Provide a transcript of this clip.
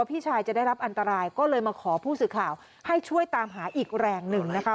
พี่ชายจะได้รับอันตรายก็เลยมาขอผู้สื่อข่าวให้ช่วยตามหาอีกแรงหนึ่งนะคะ